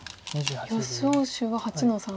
予想手は８の三。